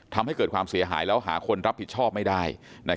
ทำให้เกิดความเสียหายแล้วหาคนรับผิดชอบไม่ได้